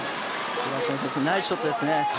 東野選手、ナイスショットですね。